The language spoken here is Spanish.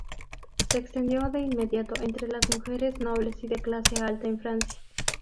Se extendió de inmediato entre las mujeres nobles y de clase alta en Francia.